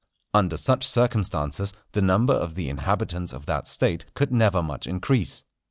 Under such circumstances the number of the inhabitants of that State could never much increase.